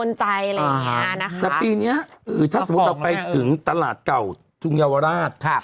แต่ปีนี้ถ้าสมมุติเราไปถึงตลาดเก่าทุ่งเยาวราช